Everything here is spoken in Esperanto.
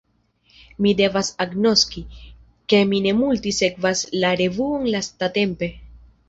Mi devas agnoski, ke mi ne multe sekvas la revuon lastatempe.